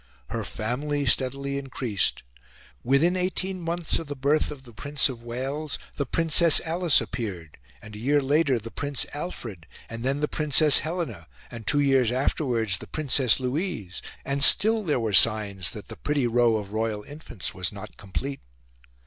Her family steadily increased. Within eighteen months of the birth of the Prince of Wales the Princess Alice appeared, and a year later the Prince Alfred, and then the Princess Helena, and, two years afterwards, the Princess Louise; and still there were signs that the pretty row of royal infants was not complete.